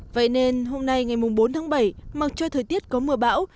vậy nên hôm nay ngày bốn tháng bảy mặc cho thời tiết có mưa bão